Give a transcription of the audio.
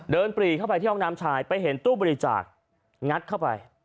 ปรีเข้าไปที่ห้องน้ำชายไปเห็นตู้บริจาคงัดเข้าไป